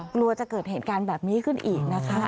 กลัวจะเกิดเหตุการณ์แบบนี้ขึ้นอีกนะคะ